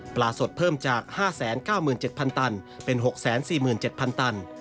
สดเพิ่มจาก๕๙๗๐๐ตันเป็น๖๔๗๐๐ตัน